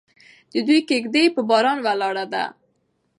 د دوی کږدۍ پر بارانه ولاړه وه.